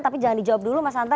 tapi jangan dijawab dulu mas anta